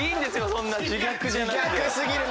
そんな自虐じゃなくて。